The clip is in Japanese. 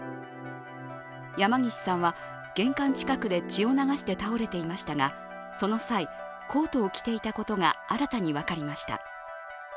山岸さんは玄関近くで血を流して倒れていましたが、その際、コートを着ていたことが新たに分かりました。